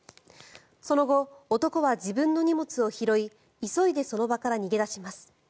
その後、男は自分の荷物を拾い急いでその場から逃げ出します。